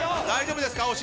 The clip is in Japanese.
大丈夫ですか？